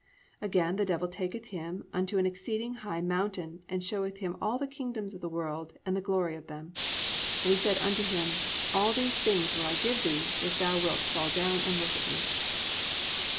(8) Again, the devil taketh him unto an exceeding high mountain, and showeth him all the kingdoms of the world, and the glory of them; (9) And He said unto him, All these things will I give thee, if thou wilt fall down and worship me."